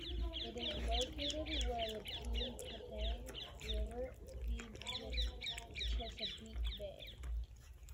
It is located where the Piankatank River feeds into the Chesapeake Bay.